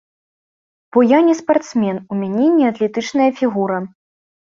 Бо я ж не спартсмен, у мяне не атлетычная фігура.